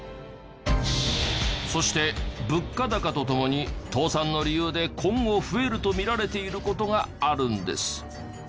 そして物価高とともに倒産の理由で今後増えると見られている事があるんです。